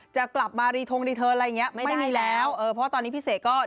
จะกลับมารีตรงก็ไม่มีแล้วพอตอนนี้พี่เสกไม่ได้แล้ว